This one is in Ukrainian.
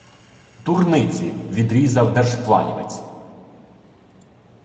– Дурниці! – відрізав держпланівець